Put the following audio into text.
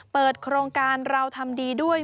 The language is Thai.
เปิดโครงการเราทำดีด้วย